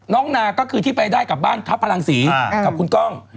นาก็คือที่ไปได้กับบ้านทัพพลังศรีกับคุณกล้อง